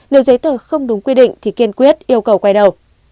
nếu giấy tờ không đúng quy định thì kiên quyết yêu cầu quay đầu